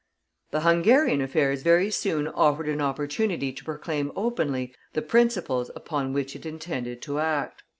The Hungarian affairs very soon offered an opportunity to proclaim openly the principles upon which it intended to act.